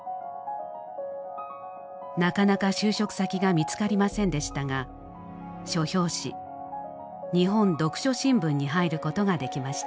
なかなか就職先が見つかりませんでしたが書評紙「日本読書新聞」に入ることができました。